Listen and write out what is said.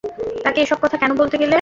তাকে এসব কথা কেন বলতে গেলে?